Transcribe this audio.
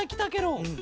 うん。